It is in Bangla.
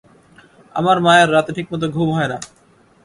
আমার মায়ের রাতে ঠিকমত ঘুম হয় না।